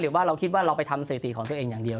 ว่าเราคิดว่าเราไปทำสถิติของตัวเองอย่างเดียว